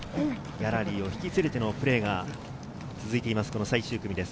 ギャラリーを引き連れてのプレーが続いています、最終組です。